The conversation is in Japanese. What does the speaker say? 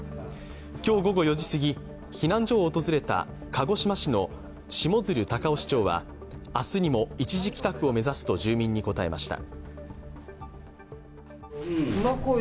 今日午後４時すぎ、避難所を訪れた鹿児島市の下鶴隆央市長は明日にも一時帰宅を目指すと住民に答えました。